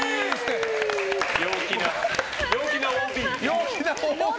陽気なＯＢ。